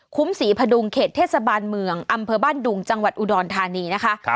ศรีพดุงเขตเทศบาลเมืองอำเภอบ้านดุงจังหวัดอุดรธานีนะคะ